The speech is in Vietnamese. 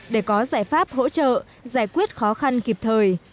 để có giải pháp hỗ trợ giải quyết khó khăn kịp thời